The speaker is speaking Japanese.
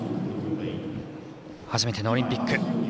初めてのオリンピック。